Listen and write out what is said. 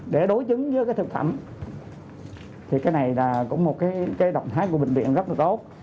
để đối chứng với cái thực phẩm thì cái này là cũng một cái động thái của bệnh viện rất là tốt